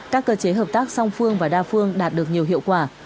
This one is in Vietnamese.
các cơ chế hợp tác song phương và đa phương đạt được nhiều hiệu quả